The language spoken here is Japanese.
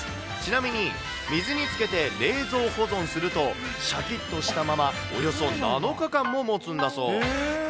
ちなみに水につけて冷蔵保存すると、しゃきっとしたままおよそ７日間ももつんだそう。